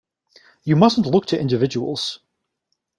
You mustn't look to individuals.